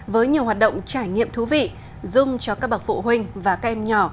với nhiều hoạt động trải nghiệm thú vị dùng cho các bậc phụ huynh và các em nhỏ